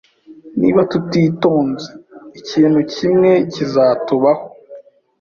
Niba tutitonze, ikintu kimwe kizatubaho